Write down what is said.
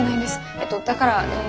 えっとだからえ。